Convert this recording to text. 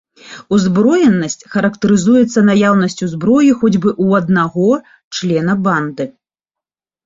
Узброенасць характарызуецца наяўнасцю зброі хоць бы ў аднаго члена банды.